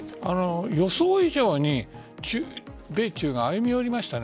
予想以上に米中が歩み寄りましたね。